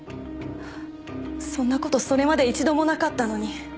そんな事それまで１度もなかったのに。